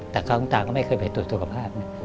แต่ก็คุณตาก็ไม่เคยไปตรวจสุขภาพไง